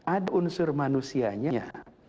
ada unsur manusianya